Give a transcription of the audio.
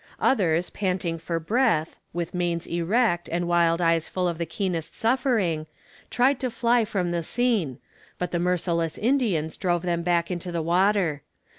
"Others, panting for breath, with manes erect, and wild eyes full of the keenest suffering, tried to fly from the scene, but the merciless Indians drove them back into the water.